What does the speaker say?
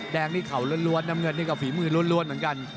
แดงนี่เขาล้วนน้ำเงินนี่ก็ฝีมือล้วนเหมือนกัน